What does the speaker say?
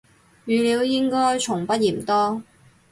語料應該從不嫌多